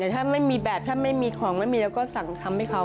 ถ้ามันไม่มีแบบไม่มีของไม่มีแล้วก็สั่งทำให้เขา